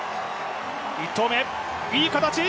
１投目、いい形。